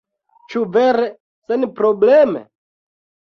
Ĉu vere senprobleme?